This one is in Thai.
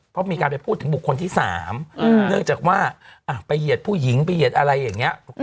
เพราะมีการไปพูดถึงบุคคลที่๓เนื่องจากว่าไปเหยียดผู้หญิงไปเหยียดอะไรอย่างนี้